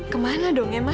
kemana dong emma